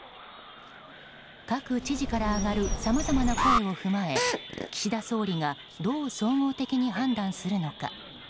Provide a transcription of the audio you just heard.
各知事から上がるさまざまな声を踏まえ岸田総理がどう総合的に判断するのか。